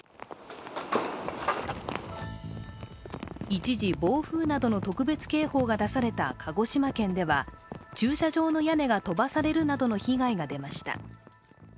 一時、暴風などの特別警報が出された鹿児島県では駐車場の屋根が飛ばされるなどの被害が出ました。